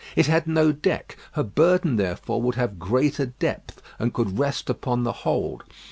It had no deck; her burden therefore would have greater depth, and could rest upon the hold.